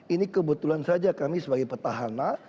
ini kebetulan saja kami sebagai petahana